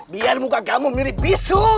biar muka kamu mirip bisu